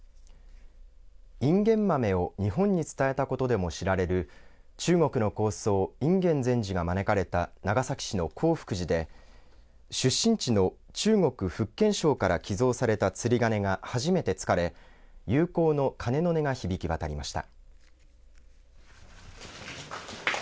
インゲン豆を日本に伝えたことでも知られる中国の高僧隠元禅師が招かれた長崎市の興福寺で出身地の中国、福建省から寄贈された釣り鐘が初めて、つかれ友好の鐘の音が響き渡りました。